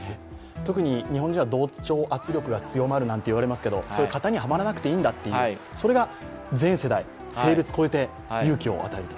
特に日本人は同調圧力が強まるなんていわれますけど型にはまらなくていいんだとそれが全世代、性別超えて勇気を与えると。